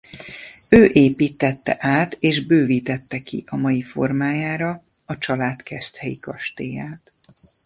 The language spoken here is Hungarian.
Ő építtette át és bővítette ki a mai formájára a család keszthelyi kastélyát.